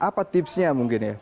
apa tipsnya mungkin ya